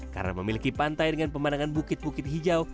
karena memiliki pantai dengan pemandangan bukit bukit hijau